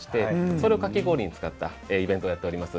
それをかき氷に使ったイベントをやっております。